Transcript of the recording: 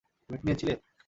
তুমি একটি নিয়েছিলে?